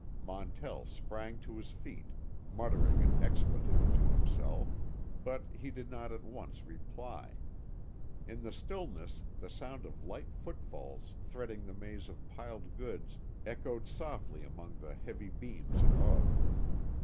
Montell sprang to his feet, muttering an expletive to himself, but he did not at once reply. In the stillness the sound of light footfalls threading the maze of piled goods echoed softly among the heavy beams above.